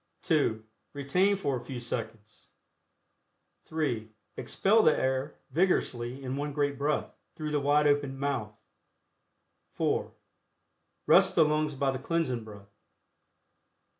(2) Retain for a few seconds. (3) Expel the air vigorously in one great breath, through the wide opened mouth. (4) Rest the lungs by the Cleansing Breath.